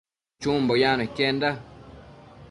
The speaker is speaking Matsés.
Chumbo yacno iquenda